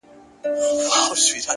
لوی فکر لوی عمل ته اړتیا لري!